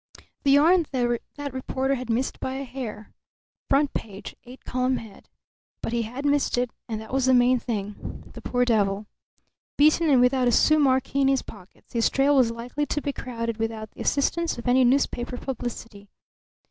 The yarn that reporter had missed by a hair front page, eight column head! But he had missed it, and that was the main thing. The poor devil! Beaten and without a sou marque in his pockets, his trail was likely to be crowded without the assistance of any newspaper publicity.